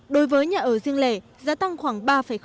đối với nhà ở riêng lẻ giá tăng khoảng ba năm